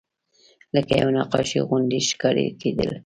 لکه یوه نقاشي غوندې ښکاره کېدل.